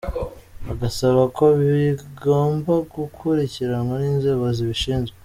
Bagasaba ko bigomba gukurikiranwa n’inzego zibishinzwe.